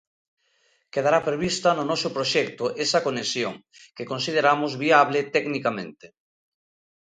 Quedará prevista no noso proxecto esa conexión, que consideramos viable tecnicamente.